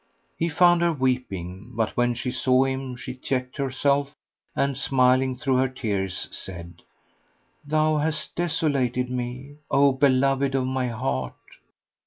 He found her weeping; but when she saw him she checked herself and, smiling through her tears, said, "Thou hast desolated me, O beloved of my heart.